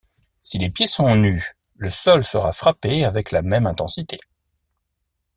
Si les pieds sont nus, le sol sera frappé avec la même intensité.